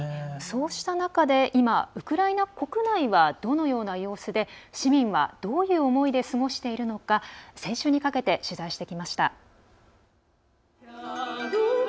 そうした中で今、ウクライナ国内はどのような様子で市民はどういう思いで過ごしているのか先週にかけて取材してきました。